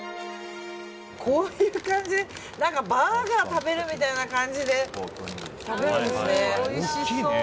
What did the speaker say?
こういう感じでバーガーを食べるみたいな感じで食べるんですね。